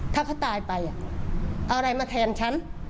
ถ้าเขาตายไปเอาอะไรมาแทนฉัน